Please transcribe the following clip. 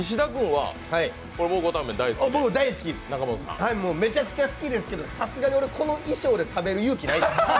僕もめちゃくちゃ好きですけれども、さすがに俺、この衣装で食べる勇気ないです。